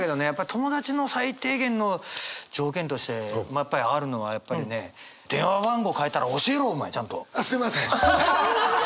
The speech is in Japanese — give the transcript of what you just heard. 友達の最低限の条件としてやっぱりあるのはやっぱりね電話番号変えたら教えろお前ちゃんと！あっすみません！